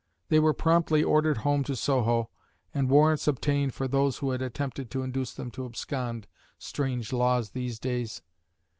They were promptly ordered home to Soho and warrants obtained for those who had attempted to induce them to abscond (strange laws these days!)